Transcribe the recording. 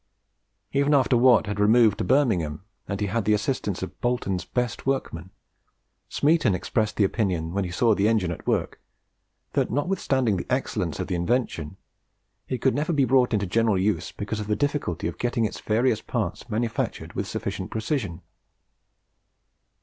Even after Watt had removed to Birmingham, and he had the assistance of Boulton's best workmen, Smeaton expressed the opinion, when he saw the engine at work, that notwithstanding the excellence of the invention, it could never be brought into general use because of the difficulty of getting its various parts manufactured with sufficient precision.